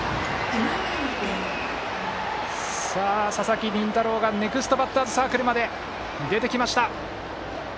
佐々木麟太郎がネクストバッターズサークルまで出てきました。